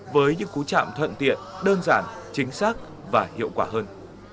với những cú chạm thuận tiện đơn giản chính xác và hiệu quả hơn